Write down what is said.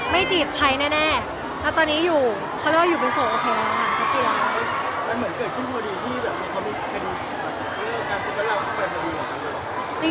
มีความรู้สึกด้วยการพูดแบบนี้หรือเปล่า